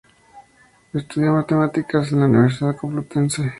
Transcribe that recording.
Estudió matemáticas en la Universidad Complutense.